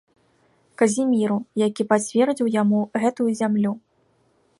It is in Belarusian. Казіміру, які пацвердзіў яму гэтую зямлю.